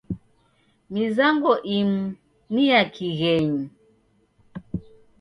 Mizango imu ni ya kighenyi.